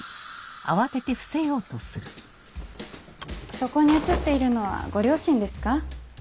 そこに写っているのはご両親ですか？